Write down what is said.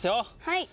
はい。